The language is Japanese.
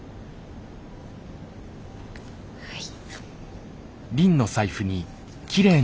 はい。